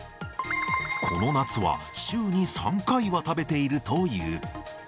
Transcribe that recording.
この夏は、週に３回は食べているという。